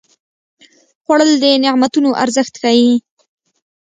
خوړل د نعمتونو ارزښت ښيي